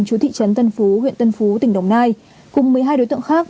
chú thị trấn tân phú huyện tân phú tỉnh đồng nai cùng một mươi hai đối tượng khác